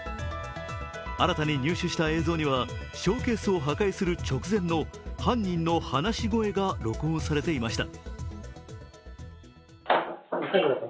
新たに入手した映像にはショーケースを破壊する直前の犯人の話し声が録音されていました。